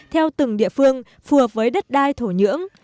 theo từng địa phương phù hợp với đất đai thổ nhưỡng